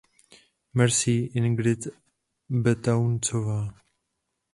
Merci, Ingrid Betancourtová!